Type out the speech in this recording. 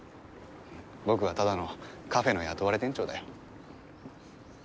僕はただのカフェの雇われ店長だよ。